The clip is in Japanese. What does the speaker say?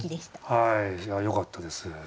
はいよかったです。